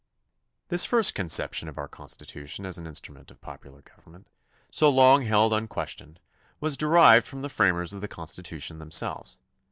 This first conception of our Constitution as an instru ment of popular government, so long held unques tioned, was derived from the framers of the Constitu tion themselves.